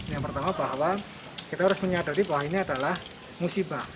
yang pertama bahwa kita harus menyadari bahwa ini adalah musibah